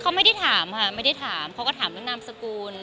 เขาไม่ได้ถามค่ะไม่ได้ถามเขาก็ถามเรื่องนามสกุล